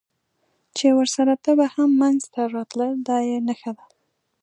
چې ورسره تبه هم منځته راتلل، دا یې نښه ده.